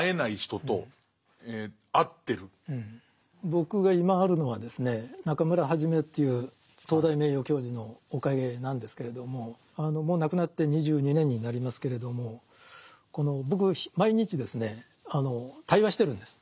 僕が今あるのはですね中村元という東大名誉教授のおかげなんですけれどももう亡くなって２２年になりますけれどもこの僕毎日ですね対話してるんです。